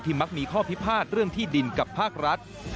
มักมีข้อพิพาทเรื่องที่ดินกับภาครัฐ